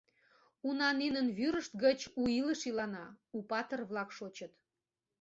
Уна нинын вӱрышт гыч у илыш илана, у патыр-влак шочыт...